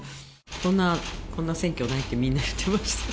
こんな、こんな選挙ないって、みんな言ってます。